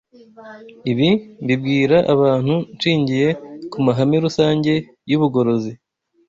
Ibi mbibwira abantu nshingiye ku mahame rusange y’ubugorozi